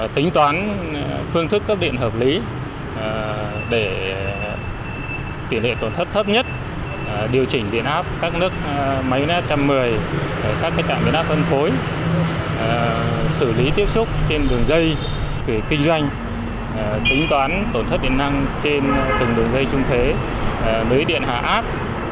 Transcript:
tính toán phương thức cấp điện hợp lý để tỷ lệ tổn thất thấp nhất điều chỉnh biến áp các nước máy biến áp một trăm một mươi